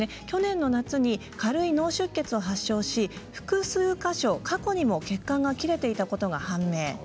去年の夏に軽い脳出血を発症し複数箇所過去にも血管が切れていたことが判明。